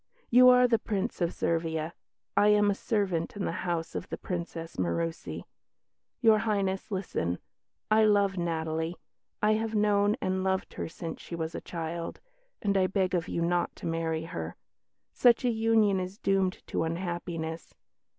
You are the Prince of Servia; I am a servant in the household of the Princess Murussi. Your Highness, listen! I love Natalie. I have known and loved her since she was a child; and I beg of you not to marry her. Such a union is doomed to unhappiness.